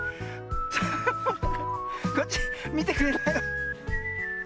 こっちみてくれないわ。